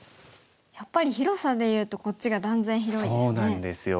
やっぱり広さでいうとこっちが断然広いですね。